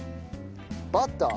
バター。